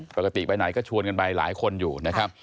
ปกติไปไหนก็ชวนกันไปหลายคนอยู่นะครับ